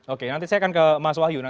oke nanti saya akan ke mas wahyu